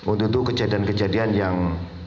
untuk kejadian kejadian yang